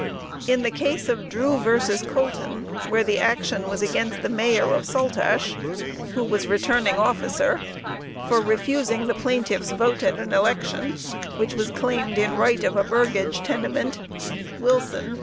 In the case of Drewe v. Coulton, where the action was against the Mayor of Saltash, who was returning officer, for refusing the plaintiff's vote at an election, which was claimed in right of a burgage tenement; Wilson, J.